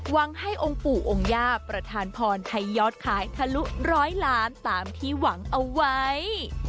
หวังให้องค์ปู่องค์ย่าประธานพรให้ยอดขายทะลุร้อยล้านตามที่หวังเอาไว้